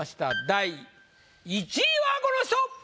第１位はこの人！